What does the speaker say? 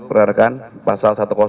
peradakan pasal satu ratus empat